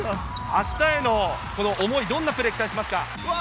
明日への思い、どんなプレーを期待しますか？